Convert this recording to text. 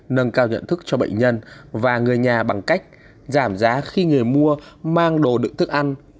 nâng cao nhận thức cho bệnh nhân và người nhà bằng cách giảm giá khi người mua mang đồ đựng thức ăn